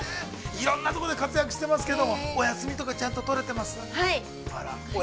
いろんなところで活躍していますけれどもお休みとか、ちゃんととれてます？